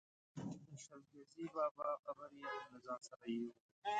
د شل ګزي بابا قبر یې هم له ځانه سره یووړ.